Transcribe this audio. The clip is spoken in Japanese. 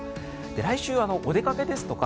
来週、お出かけですとか